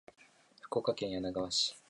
福岡県柳川市